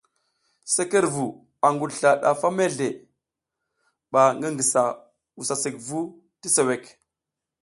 Sekerevu a ngudusla ndafa mezle, ɓa ngi ngisa wusa sekvu ti suwek.